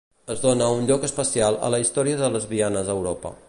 Es dóna un lloc especial a la història de lesbianes a Europa.